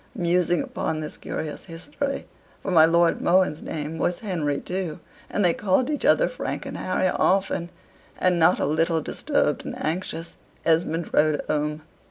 Musing upon this curious history for my Lord Mohun's name was Henry too, and they called each other Frank and Harry often and not a little disturbed and anxious, Esmond rode home.